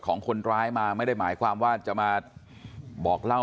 ของคนร้ายมาไม่ได้หมายความว่าจะมาบอกเล่า